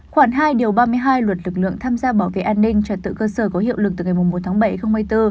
khoảng hai điều ba mươi hai luật lực lượng tham gia bảo vệ an ninh trật tự cơ sở có hiệu lực từ ngày một tháng bảy hai nghìn hai mươi bốn